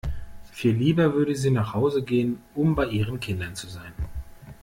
Viel lieber würde sie nach Hause gehen, um bei ihren Kindern zu sein.